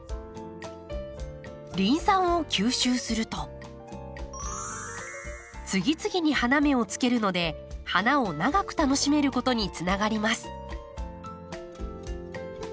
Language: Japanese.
リン酸を吸収すると次々に花芽をつけるので花を長く楽しめることにつながります。